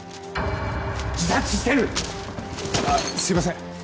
すいません。